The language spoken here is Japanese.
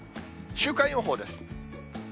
週間予報です。